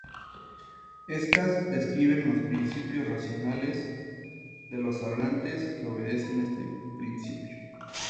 Estas describen los principios racionales de los hablantes que obedecen este principio.